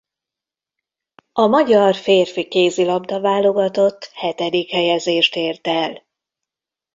A magyar férfi kézilabda-válogatott hetedik helyezést ért el.